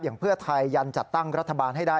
เพื่อไทยยันจัดตั้งรัฐบาลให้ได้